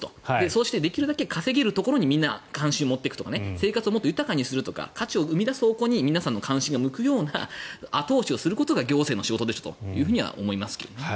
そしてできるだけ稼げるところにみんな、関心を持っていくとか生活をもっと豊かにするとか価値を生み出す方向に皆さんの関心が向くような後押しをすることが行政の仕事でしょとは思いますけどね。